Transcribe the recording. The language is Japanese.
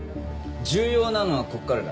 重要なのはここからだ。